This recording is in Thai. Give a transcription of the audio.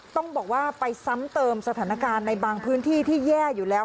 ต้องบอกว่าไปซ้ำเติมสถานการณ์ในบางพื้นที่ที่แย่อยู่แล้ว